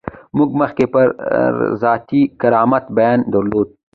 موږ مخکې پر ذاتي کرامت بیان درلود.